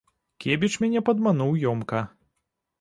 Кебіч мяне падмануў ёмка.